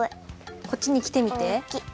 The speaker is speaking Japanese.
こっちにきてみて。